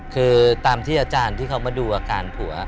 คือตามที่อาจารย์ที่เขามาดูอาการผัว